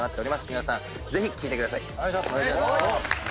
皆さんぜひ聴いてください。